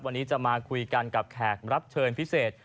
วันนี้จะมาคุยกันกับแขกรับเชิญพิเศษ